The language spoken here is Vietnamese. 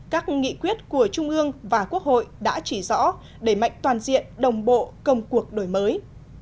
các nghị quyết của trung ương và quốc hội đã chỉ rõ đẩy mạnh toàn diện đồng bộ công cuộc đổi mới